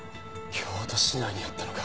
京都市内にあったのか。